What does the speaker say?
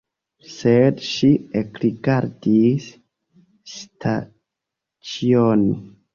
Sed ŝi ekrigardis Staĉjon.